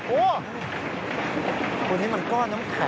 โอ๊ยตรงนี้มันก้อนแล้วค่ะ